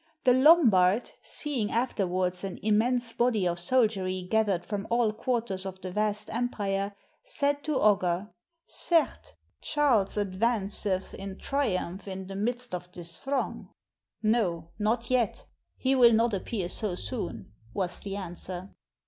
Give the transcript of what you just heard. The Lombard, ITALY seeing afterwards an immense body of soldiery gathered from all quarters of the vast empire, said to Ogger, * Certes, Charles advanceth in triumph in the midst of this throng.' *No, not yet; he will not appear so soon/ was the answer.